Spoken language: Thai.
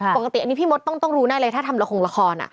ปกติอันนี้พี่มดต้องรู้แน่เลยถ้าทำละครละคร